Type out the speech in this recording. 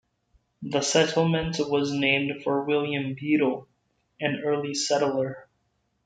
The settlement was named for William Beedle, an early settler.